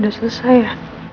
udah selesai ya